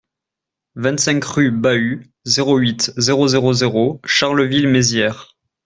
vingt-cinq rue Bahut, zéro huit, zéro zéro zéro Charleville-Mézières